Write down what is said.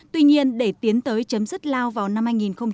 tuy nhiên để tiến tới chấm dứt lao vào năm hai nghìn ba mươi